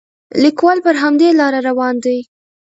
لیکوال پر همدې لاره روان دی.